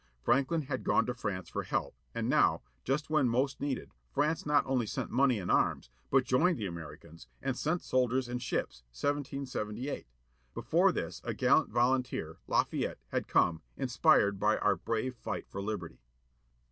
Franklin had gone to France for help, and now, just when most needed, France not only sent money and arms, but joined the Americans, and sent soldiers and ships, 1778. Before this a gallantry volunteer, Lafayette, had come, inspired by our brave fight for liberty.